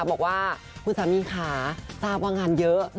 บอกว่าคุณสามีค่ะทราบว่างานเยอะ